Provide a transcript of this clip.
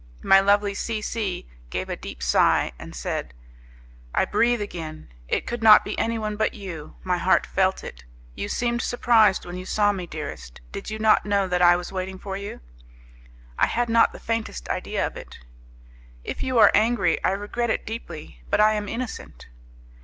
My lovely C C gave a deep sigh, and said: "I breathe again! it could not be anyone but you, my heart felt it. You seemed surprised when you saw me, dearest; did you not know that I was waiting for you?" "I had not the faintest idea of it." "If you are angry, I regret it deeply, but I am innocent."